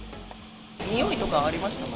臭いとかはありましたか？